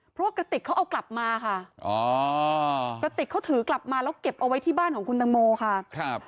เพราะว่ากระติกเขาเอากลับมาค่ะกระติกเขาถือกลับมาแล้วเก็บเอาไว้ที่บ้านของคุณตังโมค่ะ